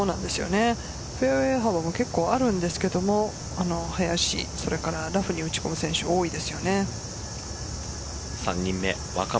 フェアウェイが幅も結構あるんですけど林、それからラフに打ち込む選手多いですよね。